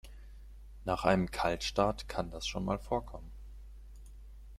Nach einem Kaltstart kann das schon mal vorkommen.